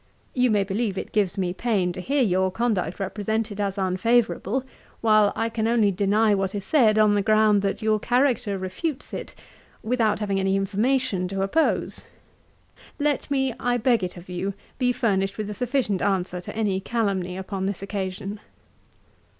You may believe it gives me pain to hear your conduct represented as unfavourable, while I can only deny what is said, on the ground that your character refutes it, without having any information to oppose. Let me, I beg it of you, be furnished with a sufficient answer to any calumny upon this occasion.